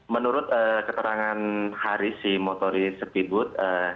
menurut keterangan haris si motoris speedboat